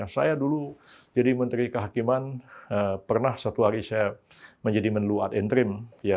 saya dulu jadi menteri kehakiman pernah satu hari saya menjadi menlu ad interim